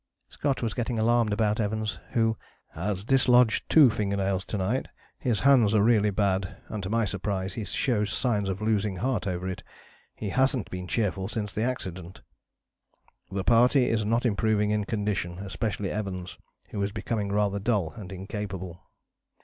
" Scott was getting alarmed about Evans, who "has dislodged two finger nails to night; his hands are really bad, and, to my surprise, he shows signs of losing heart over it. He hasn't been cheerful since the accident." "The party is not improving in condition, especially Evans, who is becoming rather dull and incapable."